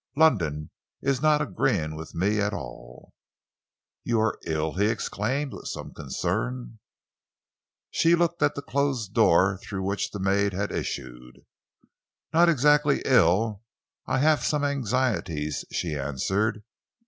"London is not agreeing with me at all." "You are ill?" he exclaimed, with some concern. She looked at the closed door through which the maid had issued. "Not exactly ill. I have some anxieties," she answered.